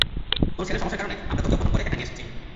তোর ছেলের সমস্যার কারণে, আমরা তোকে অপহরণ করে এখানে নিয়ে আসছি।